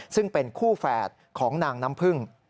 ซึ่งเป็นคู่แฝดของนางน้ำพึ่ง